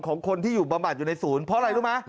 ของคนที่อยู่บำบัดอยู่ในศูนย์เพราะอะไรรู้ไหม